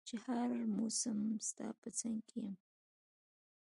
چي هر مسم ستا په څنګ کي يم